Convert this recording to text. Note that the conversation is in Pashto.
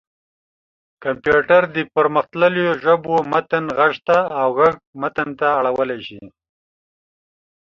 کمپيوټر د پرمختلليو ژبو متن غږ ته او غږ متن ته اړولی شي.